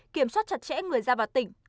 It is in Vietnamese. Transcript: kiểm soát chặt chẽ người ra vào tỉnh